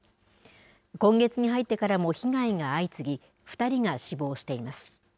今月に入ってからも被害が相次ぎ２人が死亡しています。